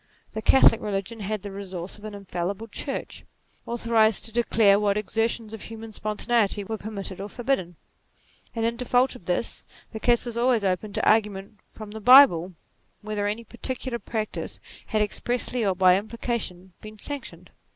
The Catholic religion had the resource of an infallible Church, authorized to declare what exertions of human spontaneity were permitted or forbidden ; and in default of this, the case was always open to argu ment from the Bible whether any particular practice had expressly or by implication been sanctioned.